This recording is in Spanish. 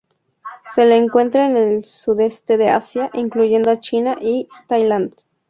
Se la encuentra en el sudeste de Asia, incluyendo a China y Thailand.